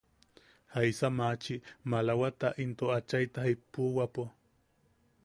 ¿Jaisa machi maalawata into achaita jipuwapo?